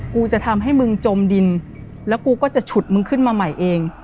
กูจะทำให้มึงจมดินแล้วกูก็จะฉุดมึงขึ้นมาใหม่เอง